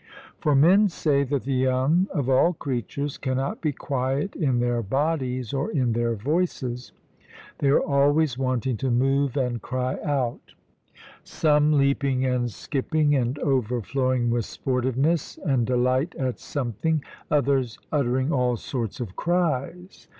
For men say that the young of all creatures cannot be quiet in their bodies or in their voices; they are always wanting to move and cry out; some leaping and skipping, and overflowing with sportiveness and delight at something, others uttering all sorts of cries.